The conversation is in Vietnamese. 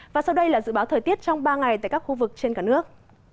và sau đây là dự báo thời tiết trong ba ngày tại các khu vực trên cả nước